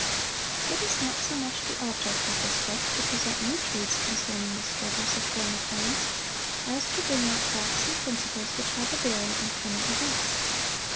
It is not so much the object of this book to present new truths concerning the struggles of former times, as to bring out facts and principles which have a bearing on coming events.